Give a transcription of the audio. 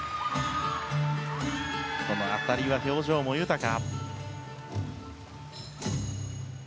この辺りは表情も豊か。